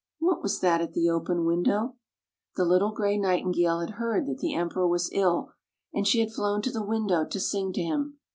What was that at the open window? The little gray Nightingale had heard that the Emperor was ill, and she had flown to the window to sing to him.